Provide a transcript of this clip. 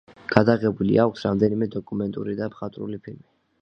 გადაღებული აქვს რამდენიმე დოკუმენტური და მხატვრული ფილმი.